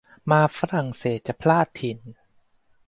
มาฝรั่งเศสจะพลาดถิ่น